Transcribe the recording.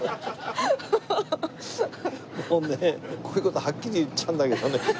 こういう事はっきり言っちゃうんだけどね。